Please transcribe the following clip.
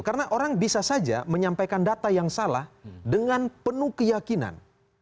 karena orang bisa saja menyampaikan data yang salah dengan penuh keyakinan